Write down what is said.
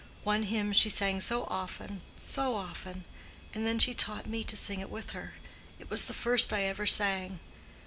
One hymn she sang so often, so often: and then she taught me to sing it with her: it was the first I ever sang.